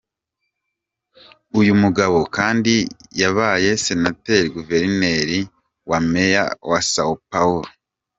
Uyu mugabo kandi yabaye Senateri, Guverineri na Meya wa São Paulo.